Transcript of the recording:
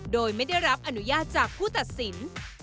โดยไม่ได้รับอนุญาตจากผู้ตัดสิน